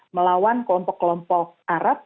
melawan kelompok kelompok arab